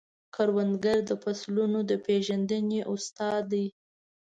کروندګر د فصلونو د پیژندنې استاد دی